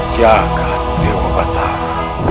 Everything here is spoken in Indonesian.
jaga dewa batara